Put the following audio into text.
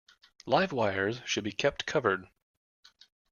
Live wires should be kept covered.